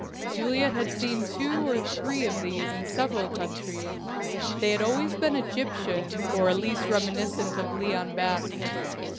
Juliet had seen two or three of these in several countries. They had always been Egyptian, or at least reminiscent of Leon Bakst.